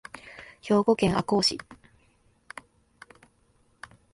兵庫県赤穂市